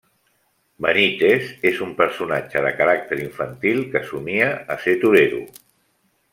Benítez és un personatge de caràcter infantil que somia a ser torero.